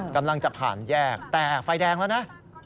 กำลังจะผ่านแยกแต่ไฟแดงแล้วนะ